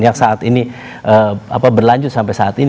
yang saat ini berlanjut sampai saat ini